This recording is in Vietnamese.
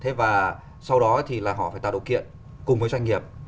thế và sau đó thì là họ phải tạo điều kiện cùng với doanh nghiệp